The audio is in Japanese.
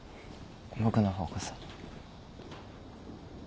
僕の方こそ。